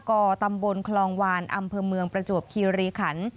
กตำบลคลองวานอำเภอเมืองประจวบคีรีขัน